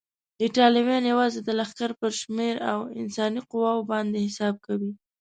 ایټالویان یوازې د لښکر پر شمېر او انساني قواوو باندې حساب کوي.